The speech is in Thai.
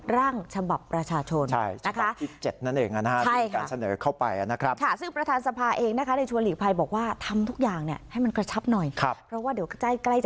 ร่างฉบับประชาชนในการเสนอเข้าไป